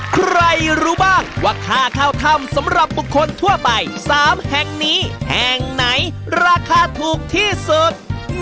ใครรู้บ้างว่าค่าเข้าถ้ำสำหรับบุคคลทั่วไป๓แห่งนี้แห่งไหนราคาถูกที่สุด